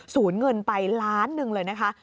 เงินไปล้านหนึ่งเลยนะคะ